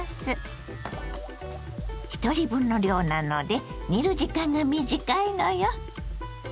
ひとり分の量なので煮る時間が短いのよ。